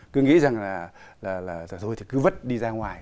cứ nghĩ rằng là rồi thì cứ vứt đi ra ngoài